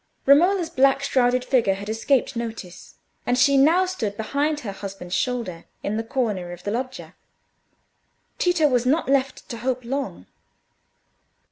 Romola's black shrouded figure had escaped notice, and she now stood behind her husband's shoulder in the corner of the loggia. Tito was not left to hope long.